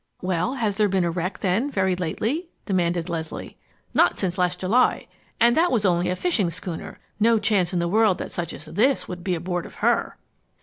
"Well, has there been a wreck, then, very lately?" demanded Leslie. "Not since last July and that was only a fishing schooner. No chance in the world that such as this would be aboard of her!"